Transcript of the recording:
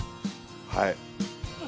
はい。